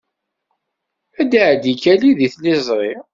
Ad d-iɛeddi Kelly deg tliẓri.